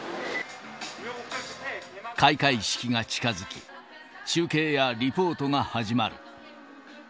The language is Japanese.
開会式が近づき、中継やリポートが始まる。